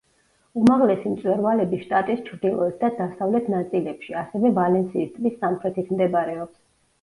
უმაღლესი მწვერვალები შტატის ჩრდილოეთ და დასავლეთ ნაწილებში, ასევე ვალენსიის ტბის სამხრეთით მდებარეობს.